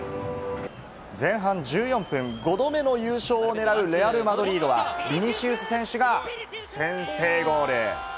前半１４分、５度目の優勝を狙うレアル・マドリードはビニシウス選手が先制ゴール。